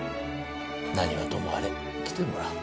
なにはともあれ、来てもらう。